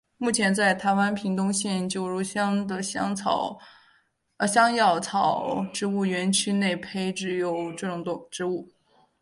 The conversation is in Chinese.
目前在台湾屏东县九如乡的香药草植物园区内有培植这种植物。